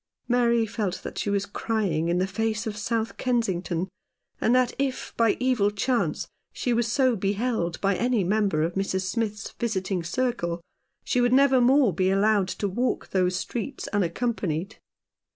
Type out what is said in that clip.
Mary felt that she was crying in the face of South Kensington ; and that if by evil chance she were so beheld by any member of Mrs. Smith's visiting circle she would never more be allowed 205 Rough Justice. to walk those streets unaccompanied.